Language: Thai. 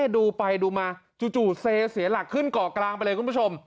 ดูไปดูมาจู่เซเสียหลักขึ้นเกาะกลางไปเลยคุณผู้ชม